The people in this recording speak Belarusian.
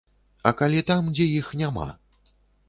А калі там, дзе іх няма?